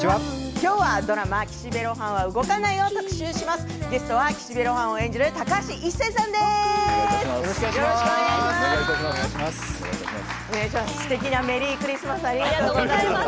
きょうはドラマ「岸辺露伴は動かない」を特集します。